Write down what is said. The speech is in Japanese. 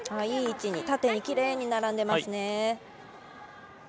いい位置に、縦にきれいに並んでいますね。